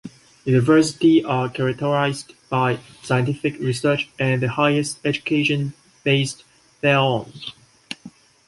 Universities are characterised by scientific research and the highest education based thereon.